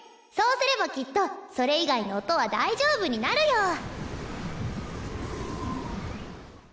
そうすればきっとそれ以外の音は大丈夫になるよ。